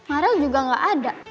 mara juga gak ada